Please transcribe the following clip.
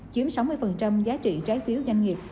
chiếm sáu mươi giá trị trái phiếu doanh nghiệp